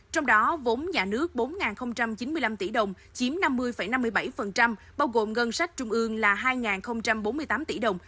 trong đó vốn nhà nước bốn chín mươi năm tỷ đồng chiếm năm mươi năm mươi bảy bao gồm ngân sách trung ương là hai bốn mươi tám tỷ đồng